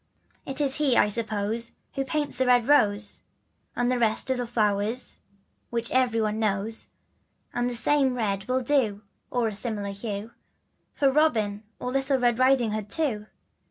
It is he I suppose who paints the red rose, And the rest of the flowers which every one knows, And the same red will do (or a similar hue), For Robin and little Red Riding Hood too.